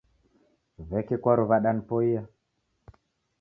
W'eke kwaru wadanipoia.